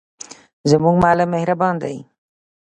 زموږ معلم مهربان دی.